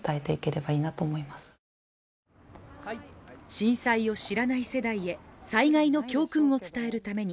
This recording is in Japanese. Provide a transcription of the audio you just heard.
震災を知らない世代へ災害の教訓を伝えるために。